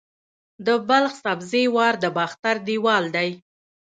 د بلخ سبزې وار د باختر دیوال دی